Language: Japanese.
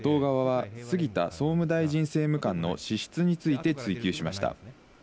また野党側は杉田総務大臣政務官の資質について追及しました。